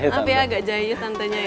sambil agak jahit tantenya ya